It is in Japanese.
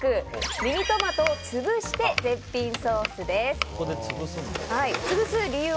ミニトマトをつぶして絶品ソースです。